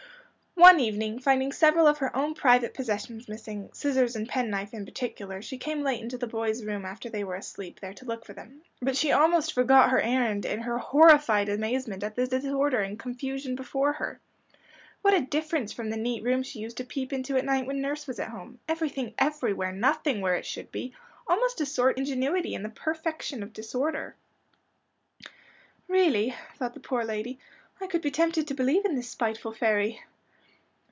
One evening, finding several of her own private possessions missing scissors and pen knife in particular she came late into the boys room after they were asleep, there to look for them. But she almost forgot her errand in her horrified amazement at the disorder and confusion before her. What a difference from the neat room she used to peep into at night when nurse was at home everything everywhere, nothing where it should be, almost a sort of ingenuity in the perfection of disorder. "Really," thought the poor lady, "I could be tempted to believe in the spiteful fairy."